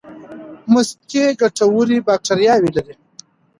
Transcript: مستې ګټورې باکتریاوې لري.